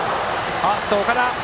ファースト、岡田！